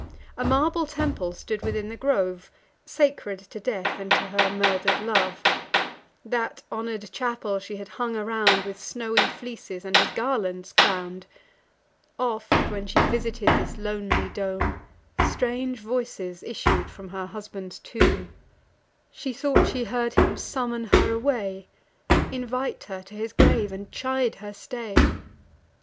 A marble temple stood within the grove, Sacred to death, and to her murder'd love; That honour'd chapel she had hung around With snowy fleeces, and with garlands crown'd: Oft, when she visited this lonely dome, Strange voices issued from her husband's tomb; She thought she heard him summon her away, Invite her to his grave, and chide her stay.